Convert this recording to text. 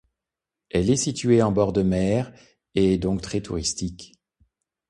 Elle est située en bord de mer et est donc très touristique.